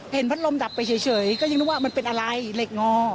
พัดลมดับไปเฉยก็ยังนึกว่ามันเป็นอะไรเหล็กงอ